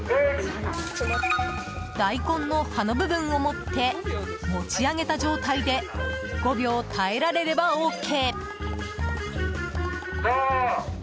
大根の葉の部分を持って持ち上げた状態で５秒耐えられればＯＫ。